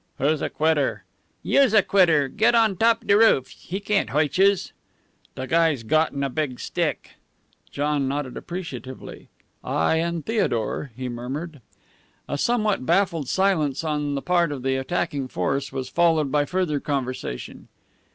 "Who's a quitter?" "Youse a quitter. Get on top de roof. He can't hoit youse." "De guy's gotten a big stick." John nodded appreciatively. "I and Theodore," he murmured. A somewhat baffled silence on the part of the attacking force was followed by further conversation.